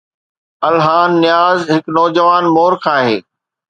الهان نياز هڪ نوجوان مورخ آهي.